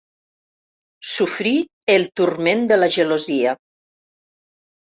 Sofrir el turment de la gelosia.